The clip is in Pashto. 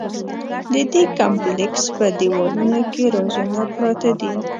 د دې کمپلېکس په دیوالونو کې رازونه پراته دي.